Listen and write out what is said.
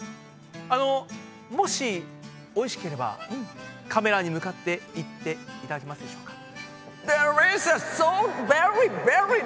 あのもしおいしければカメラに向かって言っていただけますでしょうか。